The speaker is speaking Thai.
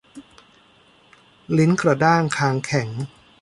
ลิ้นกระด้างคางแข็ง